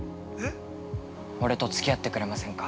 俺とつき合ってくれませんか。